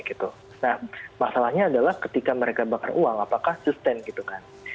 nah masalahnya adalah ketika mereka bakar uang apakah sustain gitu kan